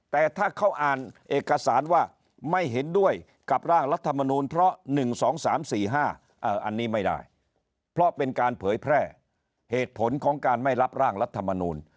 แต่ถ้าเขาอ่านเอกสารว่าไม่เห็นด้วยกับร่างรัฐมนูลเพราะ๑๒๓๔๕อันนี้ไม่ได้เพราะเป็นการเผยแพร่เหตุผลของการไม่รับร่างรัฐมนูล